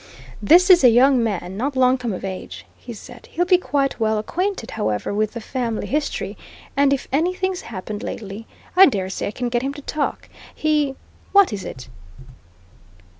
"This is a young man not long come of age," he said. "He'll be quite well acquainted, however, with the family history, and if anything's happened lately, I dare say I can get him to talk. He What is it?"